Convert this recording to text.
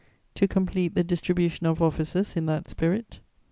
"To complete the distribution of offices in that spirit.